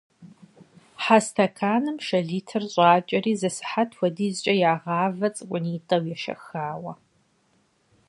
Хьэ стэканым шэ литр щӀакӀэри, зы сыхьэт хуэдизкӀэ ягъавэ, цӀыкӀунитӀэу ешэхауэ.